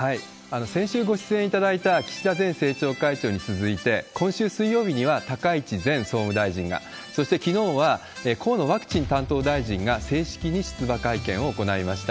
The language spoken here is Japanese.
先週ご出演いただいた、岸田前政調会長に続いて、今週水曜日には高市前総務大臣が、そしてきのうは、河野ワクチン担当大臣が正式に出馬会見を行いました。